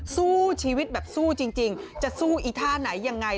สู้ชีวิตแบบสู้จริงจะสู้อีท่าไหนยังไง